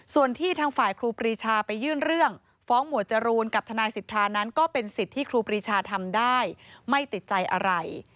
ส่วนที่ทางฝ่ายครูปรีชาไปยื่นเรื่องฟ้องหมวดจรูนกับทนายสิทธานั้นก็เป็นสิทธิ์ที่ครูปรีชาทำได้ไม่ติดใจอะไร